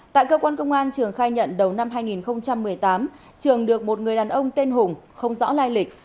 tại cơ quan công an trường khai nhận đầu năm hai nghìn một mươi tám trường được một người đàn ông tên hùng không rõ lai lịch